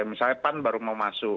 misalnya pan baru mau masuk